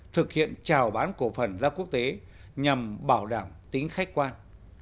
thực hiện trào bán cổ phần doanh nghiệp quốc tế nhằm bảo đảm tính khách quan